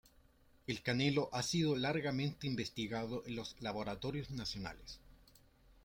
El canelo ha sido largamente investigado en los laboratorios nacionales.